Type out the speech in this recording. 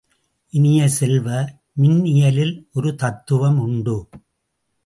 இனிய செல்வ, மின்னியலில் ஒரு தத்துவம் உண்டு.